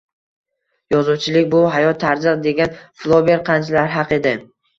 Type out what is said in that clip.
“Yozuvchilik bu – hayot tarzi”, degan Flober qanchalar haq edi